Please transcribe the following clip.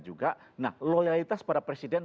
juga nah loyalitas pada presiden